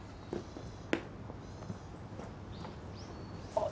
あっ。